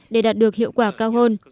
để đạt được hiệu quả cao hơn